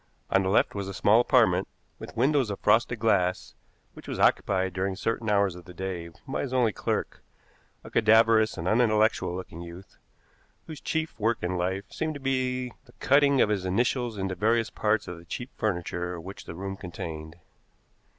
On the left was a small apartment, with windows of frosted glass, which was occupied during certain hours of the day by his only clerk, a cadaverous and unintellectual looking youth, whose chief work in life seemed to be the cutting of his initials into various parts of the cheap furniture which the room contained.